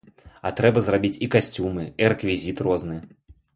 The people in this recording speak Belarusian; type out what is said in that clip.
А трэба зрабіць і касцюмы, і рэквізіт розны.